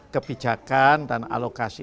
kebijakan dan alokasi